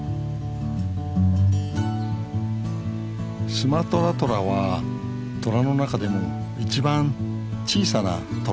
スマトラトラはトラの中でも一番小さなトラなんです。